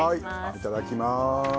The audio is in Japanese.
いただきます。